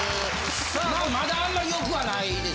まだあんまりよくはないです。